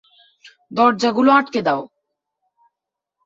দরজাগুলো আটকে দাও।